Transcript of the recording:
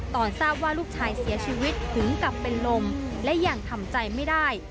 ตอนทราบว่าลูกชายเสียชีวิตถึงกับเป็นลมและยังทำใจไม่ได้